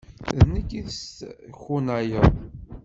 D nekk i d-teskunayeḍ?